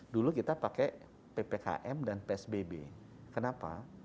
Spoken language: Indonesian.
dulu kita pakai ppkm dan psbb kenapa